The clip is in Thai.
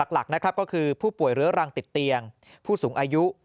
หลักนะครับก็คือผู้ป่วยเรื้อรังติดเตียงผู้สูงอายุ